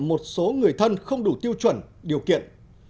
một số người thân không đủ tiêu chuẩn điều kiện